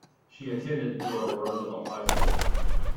She attended Theodore Roosevelt High School.